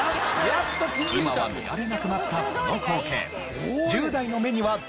今は見られなくなったこの光景。